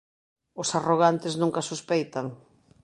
Os arrogantes nunca sospeitan.